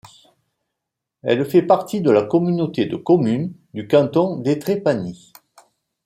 Elle fait partie de la communauté de communes du canton d'Étrépagny.